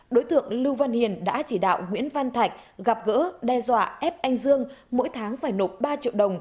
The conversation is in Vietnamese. đối tượng lưu văn hiền đã chỉ đạo nguyễn văn thạch gặp gỡ đe dọa ép anh dương mỗi tháng phải nộp ba triệu đồng